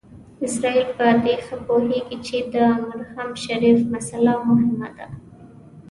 اسرائیل په دې ښه پوهېږي چې د حرم شریف مسئله مهمه ده.